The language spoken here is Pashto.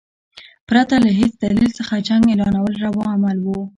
پرته له هیڅ دلیل څخه جنګ اعلانول روا عمل وو.